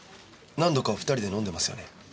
何度かお２人で飲んでますよね？